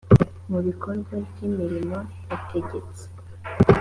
mu bikorwa ry imirimo yategetswe